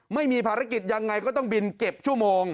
ไม่มีภารกิจยังไงก็ต้องบินเก็บชั่วโมง